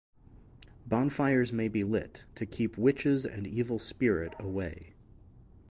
Bonfires may be lit to keep witches and evil spirit away.